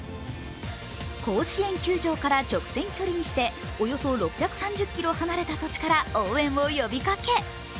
甲子園球場から直線距離にしておよそ６３０ｋｍ離れた土地から応援を呼びかけ。